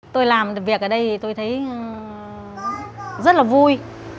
tôi làm được việc ở đây tôi thấy rất là vui